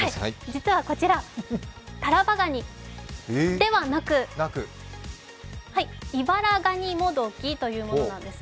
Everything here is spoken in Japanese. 実はこちら、タラバガニではなく、イバラガニモドキというものです。